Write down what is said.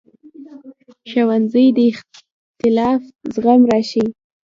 ښوونځی د اختلاف زغم راښيي